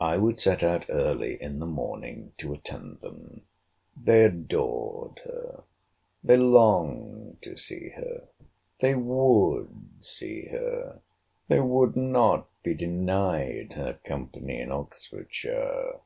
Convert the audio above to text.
I would set out early in the morning to attend them. They adored her. They longed to see her. They would see her.—They would not be denied her company in Oxfordshire.